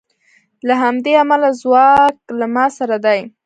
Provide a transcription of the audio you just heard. له همدې امله ځواک له ما سره دی